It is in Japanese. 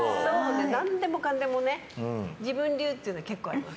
何でもかんでも自分流っていうのは結構あります。